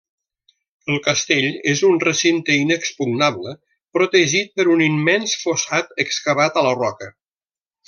El castell és un recinte inexpugnable, protegit per un immens fossat excavat a la roca.